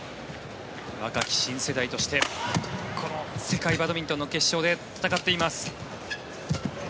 若き新世代としてこの世界バドミントンの決勝で戦っています。